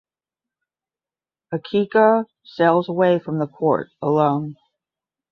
Akiko sails away from the port alone.